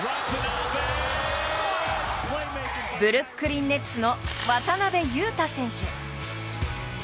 ブルックリン・ネッツの渡邊雄太選手！